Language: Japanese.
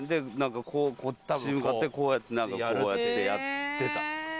こっち向かってこうやってやってた。